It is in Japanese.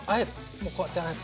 もうこうやってあえる。